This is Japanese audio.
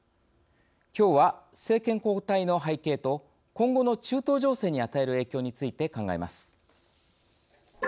きょうは政権交代の背景と今後の中東情勢に与える影響について考えます。